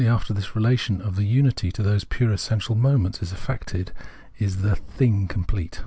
of Mind after this relation of tlie unity to those pure essential moments is eiiccted, is the " Thing " complete.